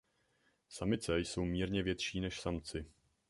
Samice jsou mírně větší než samci.